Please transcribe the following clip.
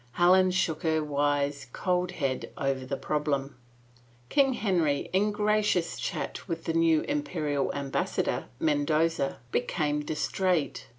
Helen shook her wise, cold head over the problem. King Henry, in gracious chat with the new Imperial Ambassador, Mendoza, became distrait.